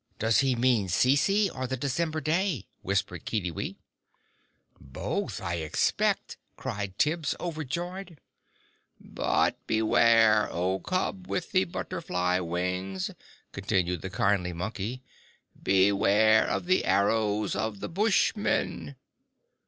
"Does he mean Cece or the December day?" whispered Kiddiwee. "Both, I expect," cried Tibbs, overjoyed. "But beware! O cubs with the butterfly wings," continued the kindly Monkey, "beware of the arrows of the Bushmen!"